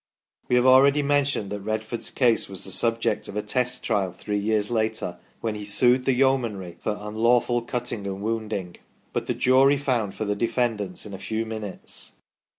We have already mentioned that Redford's case was the subject of a test trial three years later, when he sued the yeomanry for "unlawful cutting and wounding," but the Jury found for the defendants in a few minutes.